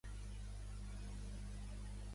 Una hagadà medieval amb il·lustracions miniades.